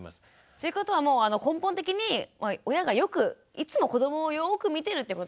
ということは根本的に親がよくいつも子どもをよく見てるってことが大事ですね。